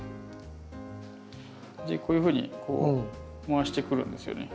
でこういうふうにこう回してくるんですよね。